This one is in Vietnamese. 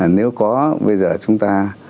nếu có bây giờ chúng ta